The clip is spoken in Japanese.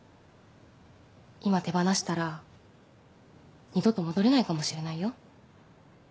今手放したら二度と戻れないかもしれないよ？